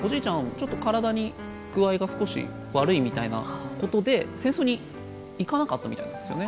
ちょっと体に具合が少し悪いみたいなことで戦争に行かなかったみたいなんですよね。